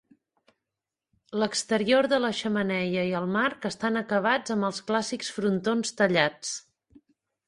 L'exterior de la xemeneia i el marc estan acabats amb els clàssics frontons tallats.